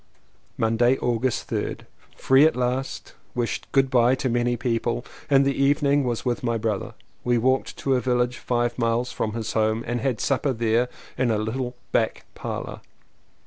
Monday, August 3rd. Free at last! Wished "Good bye" to many people. In the evening was with my brother. We walked to a village five miles from his home and had supper there in a little back parlour.